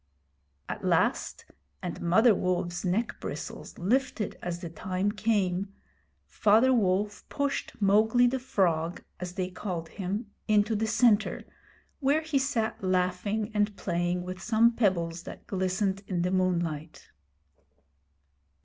At last and Mother Wolfs neck bristles lifted as the time came Father Wolf pushed 'Mowgli the Frog,' as they called him, into the centre, where he sat laughing and playing with some pebbles that glistened in the moonlight.